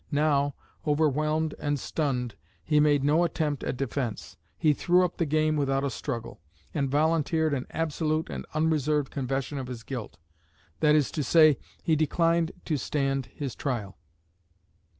Now, overwhelmed and stunned, he made no attempt at defence; he threw up the game without a struggle, and volunteered an absolute and unreserved confession of his guilt that is to say, he declined to stand his trial.